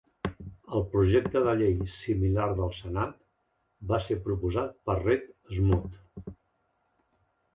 El projecte de llei similar del Senat va ser proposat per Reed Smoot.